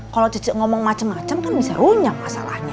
kalau cece ngomong macem macem kan bisa unyam masalahnya